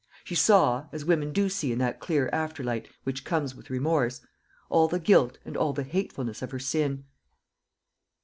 She saw, as women do see in that clear after light which comes with remorse, all the guilt and all the hatefulness of her sin.